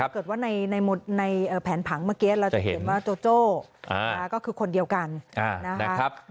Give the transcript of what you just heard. เกิดว่าในแผนผังเมื่อกี้เราจะเห็นว่าโจโจ้ก็คือคนเดียวกันนะครับ